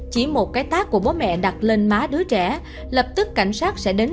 chỉ một cái tát của bố mẹ đặt lên má đứa trẻ lập tức cảnh sát sẽ đến